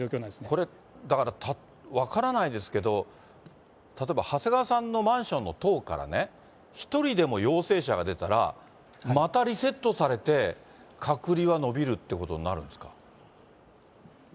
これ、だから分からないですけど、例えば長谷川さんのマンションの棟からね、１人でも陽性者が出たら、またリセットされて、隔離が延びるっていうことになるんですか？